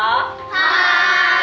はい。